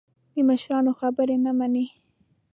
د مشرانو خبرې نه مني.